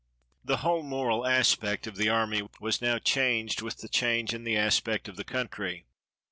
The whole moral aspect of the army was now changed with the change in the aspect of the country.